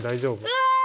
うわ！